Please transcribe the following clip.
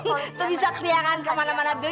itu bisa keliahankan mana mana diri